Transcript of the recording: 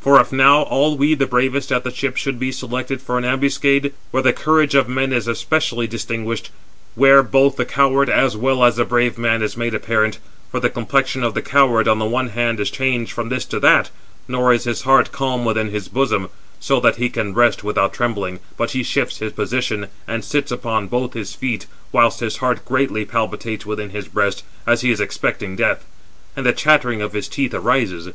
For if now all we the bravest at the ships should be selected for an ambuscade, where the courage of men is especially distinguished, where both the coward as well as the brave man is made apparent—for the complexion of the coward on the one hand is changed from this to that, nor is his heart calm within his bosom, so that he can rest without trembling, but he shifts his position, and sits upon both his feet, whilst his heart greatly palpitates within his breast, as he is expecting death; and a chattering of his teeth arises.